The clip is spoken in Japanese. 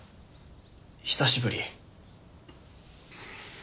久しぶり。